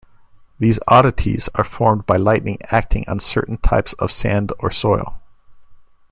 These oddities are formed by lightning acting on certain types of sand or soil.